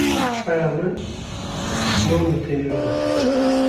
Xweha min nên li tenûrê dixe.